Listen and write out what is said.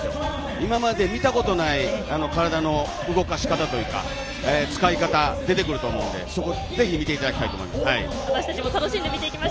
今まで見たことのない体の動かし方というか使い方が出てくると思うのでそこをぜひ見ていただきたいです。